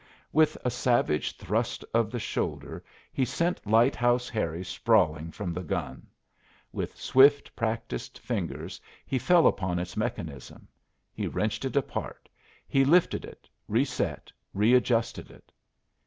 With a savage thrust of the shoulder he sent Lighthouse Harry sprawling from the gun. With swift, practised fingers he fell upon its mechanism. He wrenched it apart. He lifted it, reset, readjusted it.